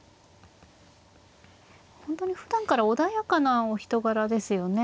本当にふだんから穏やかなお人柄ですよね。